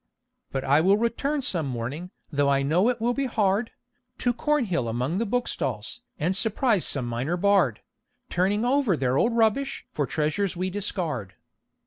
But I will return some morning, though I know it will be hard, To Cornhill among the bookstalls, and surprise some minor bard, Turning over their old rubbish for the treasures we discard.